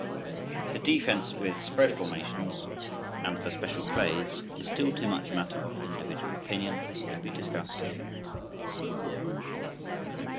The defense with spread formations and for special plays is still too much a matter of individual opinion to be discussed here.